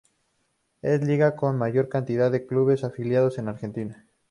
Es la liga con mayor cantidad de clubes afiliados en Argentina.